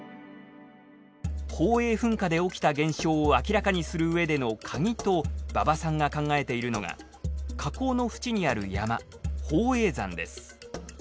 宝永噴火で起きた現象を明らかにするうえでのカギと馬場さんが考えているのが火口の縁にある山宝永山です。